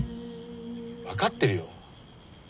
分かってるよ。